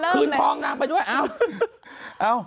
ขึ้นทองน้ำไปด้วยเอ้า